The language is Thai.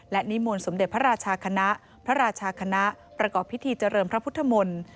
และนิมนต์สมเด็จพระราชาคณะพระราชาคณะประกอบพิธีเจริญพระพุทธมนตร์